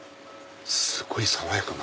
すごい爽やかな。